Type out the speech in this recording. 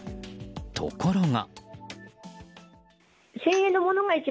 ところが。